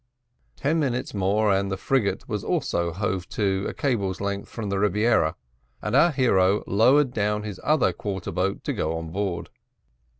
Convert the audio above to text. Ten minutes more and the frigate was hove to a cable's length from the Rebiera, and our hero lowered down his other quarter boat to go on board.